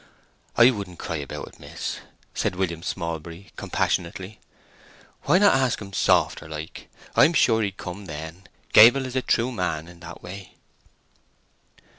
"I wouldn't cry about it, miss," said William Smallbury, compassionately. "Why not ask him softer like? I'm sure he'd come then. Gable is a true man in that way."